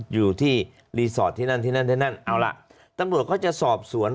อยู่ที่รีสอร์ทที่นั่นที่นั่นที่นั่นเอาล่ะตำรวจเขาจะสอบสวน